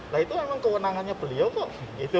nah itu memang kewenangannya beliau kok